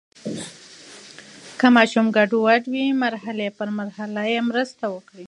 که ماشوم ګډوډ وي، مرحلې په مرحله یې مرسته وکړئ.